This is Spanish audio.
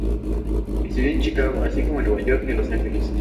Estudió en Chicago, así como en Nueva York y Los Ángeles.